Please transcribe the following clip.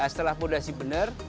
setelah podasi benar